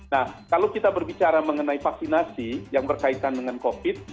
nah kalau kita berbicara mengenai vaksinasi yang berkaitan dengan covid